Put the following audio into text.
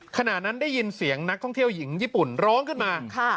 ขณะนั้นได้ยินเสียงนักท่องเที่ยวหญิงญี่ปุ่นร้องขึ้นมา